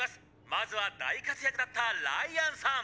まずは大活躍だったライアンさん」。